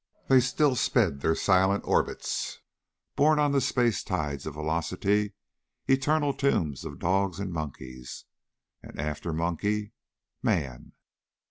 They still sped their silent orbits, borne on the space tides of velocity; eternal tombs of dogs and monkeys. And after monkey man.